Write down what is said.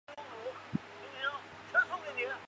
奥勒济人口变化图示